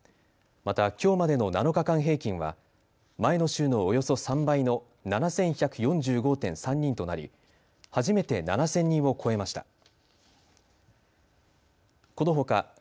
また、きょうまでの７日間平均は前の週のおよそ３倍の７１４５．３人となり初めて７０００人を超えました。